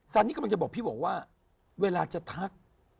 สันนี้กำลังจะบอกพี่ว่าเวลาจะทัก